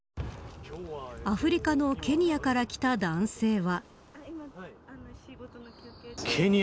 アフリカのケニアから来た男性は。